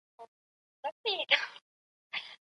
که توليدي سکتورونه مجهز سي، موجوده بيکاري به ختمه سي.